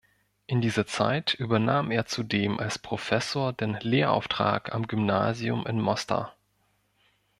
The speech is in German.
In dieser Zeit übernahm er zudem als Professor den Lehrauftrag am Gymnasium in Mostar.